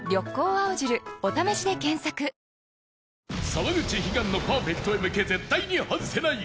沢口悲願のパーフェクトへ向け絶対に外せない！